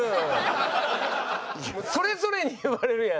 それぞれに言われるやん。